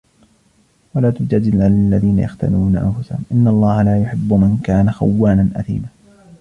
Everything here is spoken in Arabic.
وَلَا تُجَادِلْ عَنِ الَّذِينَ يَخْتَانُونَ أَنْفُسَهُمْ إِنَّ اللَّهَ لَا يُحِبُّ مَنْ كَانَ خَوَّانًا أَثِيمًا